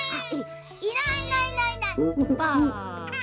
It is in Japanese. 「いないいないいないばあ」。